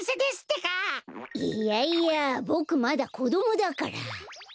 いやいやボクまだこどもだから。